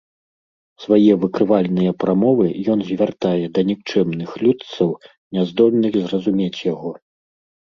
Свае выкрывальныя прамовы ён звяртае да нікчэмных людцаў, няздольных зразумець яго.